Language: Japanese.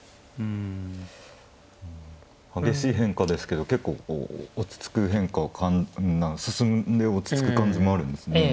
激しい変化ですけど結構こう落ち着く変化を進んで落ち着く感じもあるんですね。